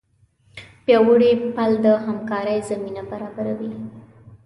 پیاوړی پل د همکارۍ زمینه برابروي.